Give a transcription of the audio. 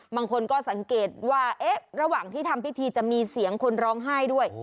บางคนก็สังเกตว่าระหว่างที่ทำพิธีจะมีเสียงคนร้องไห้ด้วย